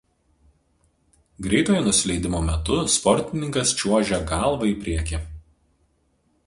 Greitojo nusileidimo metu sportininkas čiuožia galva į priekį.